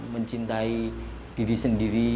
mencintai diri sendiri